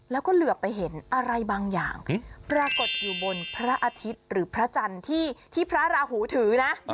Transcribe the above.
แล้วก็เหลือไปเห็นอะไรบางอย่างปรากฏอยู่บนพระอาทิตย์หรือพระจันทร์ที่พระราหูถือนะ